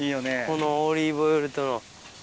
このオリーブオイルとの。